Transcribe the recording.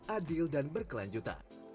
adil dan berkelanjutan